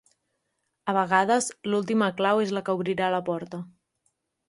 A vegades l'última clau és la que obrirà la porta.